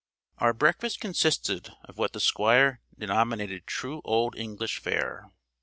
Our breakfast consisted of what the Squire denominated true old English fare.